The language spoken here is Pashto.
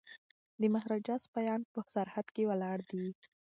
د مهاراجا سپایان په سرحد کي ولاړ دي.